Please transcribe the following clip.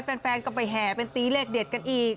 แฟนก็ไปแห่เป็นตีเลขเด็ดกันอีก